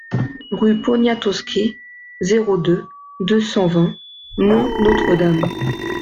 Rue Poniatowski, zéro deux, deux cent vingt Mont-Notre-Dame